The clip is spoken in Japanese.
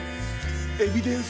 エビデンス！